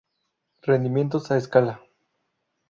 Rendimientos a escala.